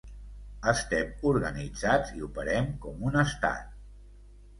Estem organitzats i operem com un estat.